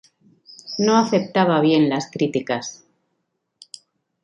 No aceptaba bien las críticas.